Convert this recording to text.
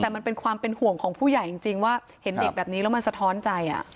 แต่มันเป็นความเป็นห่วงของผู้ใหญ่จริงว่าเห็นเด็กแบบนี้แล้วมันสะท้อนใจ